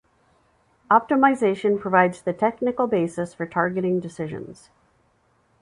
Optimization provides the technical basis for targeting decisions.